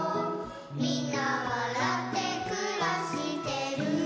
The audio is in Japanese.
「みんなわらってくらしてる」